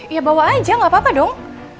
ya bawa aja gak apa apa dong